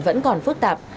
vẫn còn phức tạp